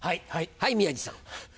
はい宮治さん。